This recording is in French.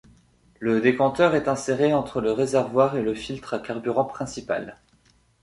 Le décanteur est inséré entre le réservoir et le filtre à carburant principal.